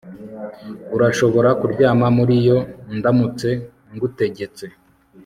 urashobora kuryama muriyo ndamutse ngutegetse